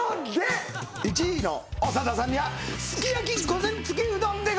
１位の長田さんにはすき焼き御膳付きうどんでございます。